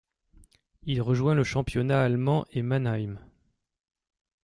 Il rejoint le championnat allemand et Mannheim.